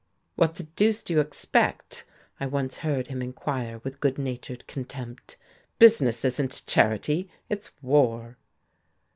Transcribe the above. "What the deuce do you expect?" I once heard him inquire with good natured contempt. "Business isn't charity, it's war.